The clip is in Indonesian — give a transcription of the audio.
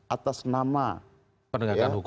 atas nama penegakan hukum